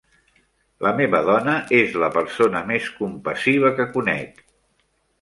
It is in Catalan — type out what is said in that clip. La meva dona és la persona més compassiva que conec.